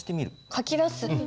書き出す。